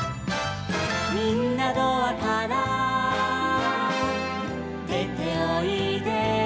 「みんなドアからでておいで」